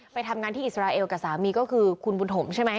ไปทำงานที่อิสราเอลกับสามีก็คือคุณบุญถมใช่ไหม